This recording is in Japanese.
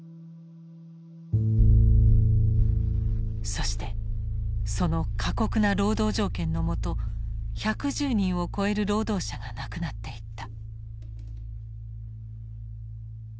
そしてその過酷な労働条件の下１１０人を超える労働者が亡くなっていった。